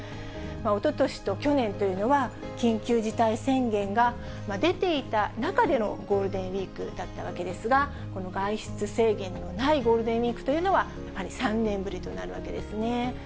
おととしと去年というのは、緊急事態宣言が出ていた中でのゴールデンウィークだったわけですが、この外出制限のないゴールデンウィークというのは３年ぶりとなるわけですね。